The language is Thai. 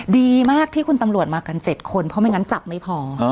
ดีมากที่คุณตำรวจมากัน๗คนเพราะไม่งั้นจับไม่พอ